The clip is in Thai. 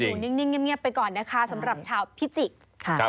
นิ่งเงียบไปก่อนนะคะสำหรับชาวพิจิกษ์